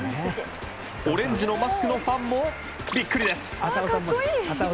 オレンジのマスクのファンもビックリです。